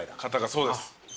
そうです。